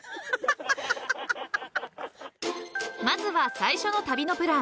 ［まずは最初の旅のプラン］